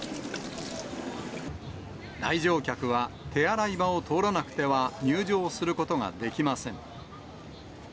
来場客は手洗い場を通らなくては入場することができません。